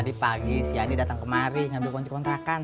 tadi pagi si ani datang kemari ngambil koncik kontrakan